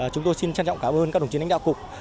chúng tôi xin trân trọng cảm ơn các đồng chí đánh đạo cục